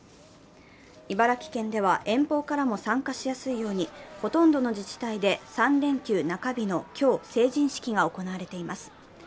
茨城県では遠方からも参加しやすいようにほとんどの自治体で３連休中日の今日、成人式が行われています。